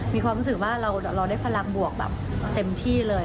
มีความรู้สึกว่าเราได้พลังบวกแบบเต็มที่เลย